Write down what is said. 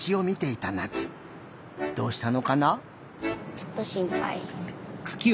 ちょっとしんぱい。